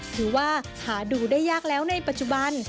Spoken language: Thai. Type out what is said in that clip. ถือว่าหาดูได้ยากแล้วในปัจจุบัน